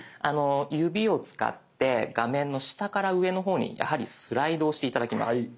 指を使って画面の下から上の方にスライドをして頂きます。